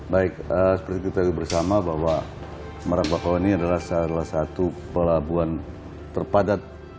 baik seperti kita ketahui bersama bahwa marabakau ini adalah salah satu pelabuhan terpadat